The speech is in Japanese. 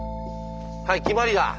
はい決まりだ。